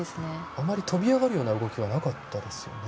あまり飛び上がるような動きはなかったですよね。